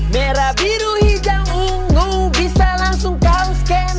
merah biru hijau unggu bisa langsung kaum scan